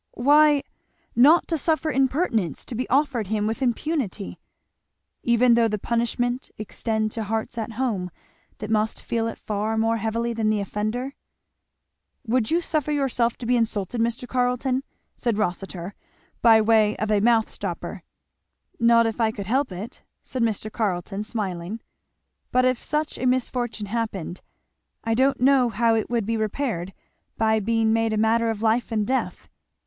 "Why, not to suffer impertinence to be offered him with impunity." "Even though the punishment extend to hearts at home that must feel it far more heavily than the offender?" "Would you suffer yourself to be insulted, Mr. Carleton?" said Rossitur, by way of a mouth stopper. "Not if I could help it," said Mr. Carleton smiling; "but if such a misfortune happened, I don't know how it would be repaired by being made a matter of life and death."